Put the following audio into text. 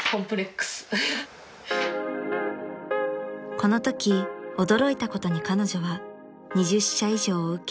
［このとき驚いたことに彼女は２０社以上を受け